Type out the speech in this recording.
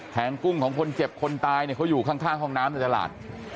งกุ้งของคนเจ็บคนตายเนี่ยเขาอยู่ข้างห้องน้ำในตลาด